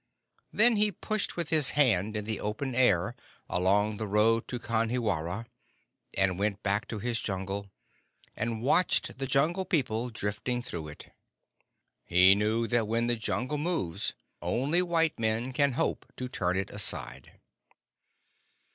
Then he pushed with his hand in the open air along the road to Kanhiwara, and went back to his Jungle, and watched the Jungle people drifting through it. He knew that when the Jungle moves only white men can hope to turn it aside.